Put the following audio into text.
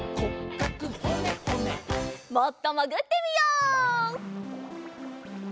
もっともぐってみよう。